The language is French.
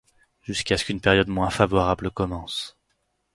Jusqu'à ce qu'une période moins favorable commence.